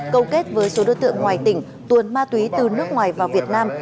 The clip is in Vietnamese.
câu kết với số đối tượng ngoài tỉnh tuồn ma túy từ nước ngoài vào việt nam